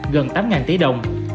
gần tám tỷ đồng